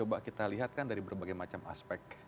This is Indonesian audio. coba kita lihat kan dari berbagai macam aspek